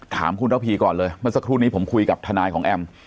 ถามคุณระพีก่อนเลยเมื่อสักครู่นี้ผมคุยกับทนายของแอม